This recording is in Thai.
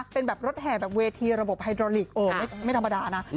เป็นแบบรถแห่แบบเวทีระบบไฮโดรลิกไม่ธรรมดานะ